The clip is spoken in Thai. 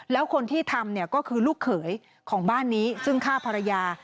แล้วคนที่ทำเนี่ยก็คือลูกเขยของบ้านนี้ซึ่งฆ่าภรรยา